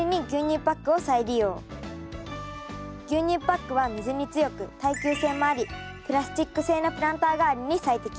牛乳パックは水に強く耐久性もありプラスチック製のプランター代わりに最適。